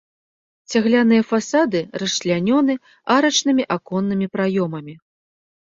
Цагляныя фасады расчлянёны арачнымі аконнымі праёмамі.